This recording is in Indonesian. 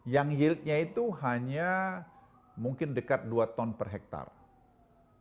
yang yieldnya itu hanya mungkin dekat dua ton per hektare